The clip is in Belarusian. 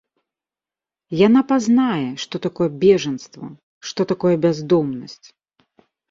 Яна пазнае, што такое бежанства, што такое бяздомнасць.